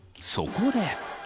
そこで。